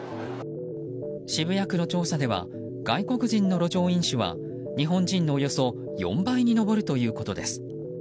渋谷区の調査では外国人の路上飲酒は日本人のおよそ４倍に上るということです。